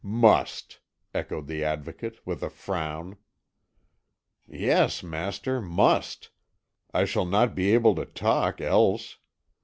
"Must!" echoed the Advocate, with a frown. "Yes, master, must; I shall not be able to talk else.